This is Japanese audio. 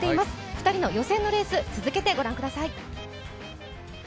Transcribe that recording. ２人の予選のレース、続けてご覧ください。